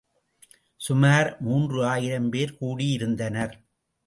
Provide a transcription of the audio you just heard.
சுமார் மூன்று ஆயிரம் பேர் கூடியிருந்தனர்.